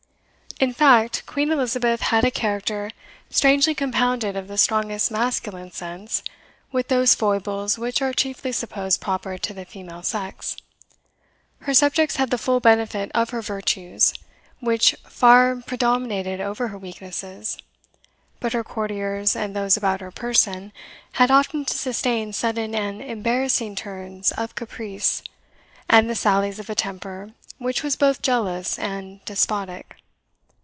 In fact, Queen Elizabeth had a character strangely compounded of the strongest masculine sense, with those foibles which are chiefly supposed proper to the female sex. Her subjects had the full benefit of her virtues, which far predominated over her weaknesses; but her courtiers, and those about her person, had often to sustain sudden and embarrassing turns of caprice, and the sallies of a temper which was both jealous and despotic.